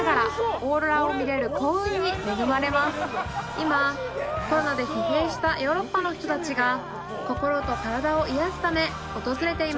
今コロナで疲弊したヨーロッパの人たちが心と体を癒やすため訪れています。